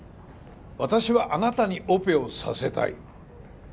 私はあなたにオペをさせたい。